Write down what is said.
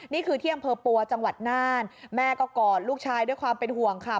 นี่คือที่อำเภอปัวจังหวัดน่านแม่ก็กอดลูกชายด้วยความเป็นห่วงค่ะ